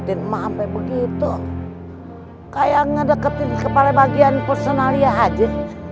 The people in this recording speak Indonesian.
sama sampai begitu kayak ngedeketin kepala bagian personalnya aja